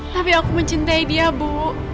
tapi aku mencintai dia bu